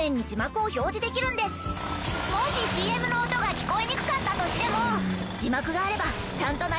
もしＣＭの音が聞こえにくかったとしても。